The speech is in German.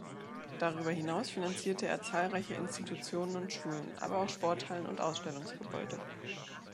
Darüber hinaus finanzierte er zahlreiche Institutionen und Schulen, aber auch Sporthallen und Ausstellungsgebäude.